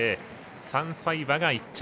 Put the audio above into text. ３歳馬が１着。